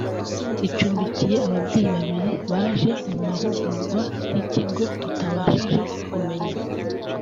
ricumbikiye ababyeyi babili baje mu mahugurwa y’ikigo tutabashije kumenya